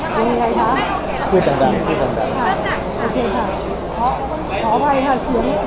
ขออภัยค่ะเสียงอาจจะหายไปนี่